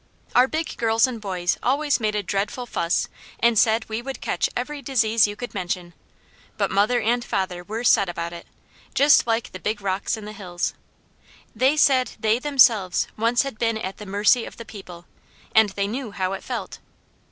Our big girls and boys always made a dreadful fuss and said we would catch every disease you could mention, but mother and father were set about it, just like the big rocks in the hills. They said they, themselves, once had been at the mercy of the people, and they knew how it felt.